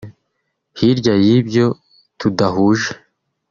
hirya y’ibyo tudahuje